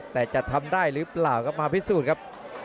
แต่จะทำได้หรือเปล่าครับมาพิสูจน์ครับ